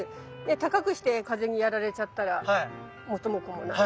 高くして風にやられちゃったら元も子もない。